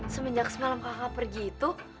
semenjak semalam kakak pergi itu